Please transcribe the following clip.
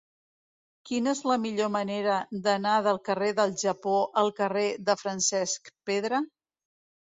Quina és la millor manera d'anar del carrer del Japó al carrer de Francesc Pedra?